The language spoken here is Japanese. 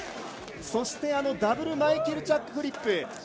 そしてダブルマイケルチャックフリップ。